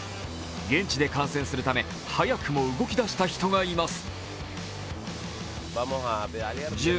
現地で観戦するため、早くも動き出した人がいます。